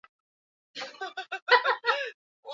Mbuga nyingi ziko mbali na pwani ya Tanzania